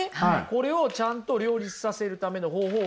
これをちゃんと両立させるための方法